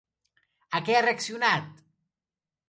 A què ha reaccionat?